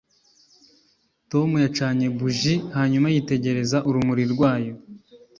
tom yacanye buji hanyuma yitegereza urumuri rwacyo.